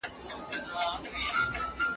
دغه معلومات ډېر ګټور دي.